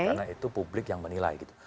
karena itu publik yang menilai gitu